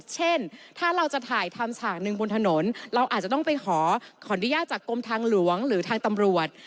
เช่นถ้าเราจะถ่ายทำฉากหนึ่งบนถนนเราอาจจะต้องไปขอขออนุญาตจากกรมทางหลวงหรือทางตำรวจ